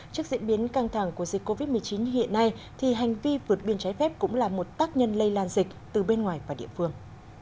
trước diễn biến căng thẳng của dịch covid một mươi chín như hiện nay thì hành vi vượt biên trái phép cũng là một tác nhân lây lan dịch từ bên ngoài và địa phương